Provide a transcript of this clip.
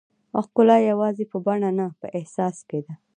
ښکلا یوازې په بڼه نه، په احساس کې ده.